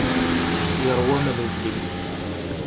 Yeṛwa amlelli.